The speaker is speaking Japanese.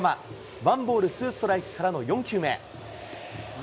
ワンボールツーストライクからの４球目。